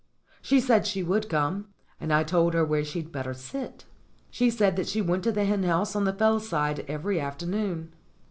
She said she would come, and I told her where she'd better sit. She said that she went to the hen house on the fell side every afternoon.